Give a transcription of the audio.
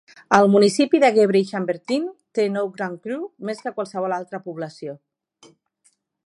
El municipi de Gevrey-Chambertin té nou Grand Crus, més que qualsevol altra població.